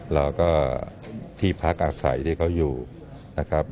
แล้วก็ที่พักอาศัยที่เขาอยู่นะครับ